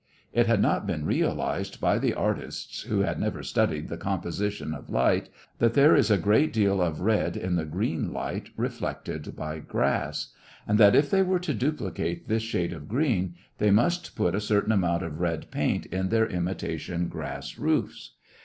It had not been realized by the artists who had never studied the composition of light, that there is a great deal of red in the green light reflected by grass, and that if they were to duplicate this shade of green, they must put a certain amount of red paint in their imitation grass roofs.